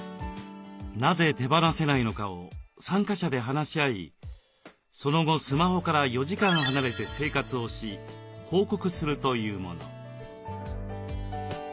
なぜ手放せないのかを参加者で話し合いその後スマホから４時間離れて生活をし報告するというもの。